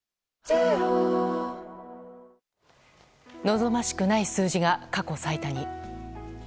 望ましくない数字が過去最多に。